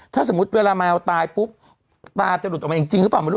ถ้าสมมุติเวลาแมวตายปุ๊บตาจะหลุดออกมาจริงหรือเปล่าไม่รู้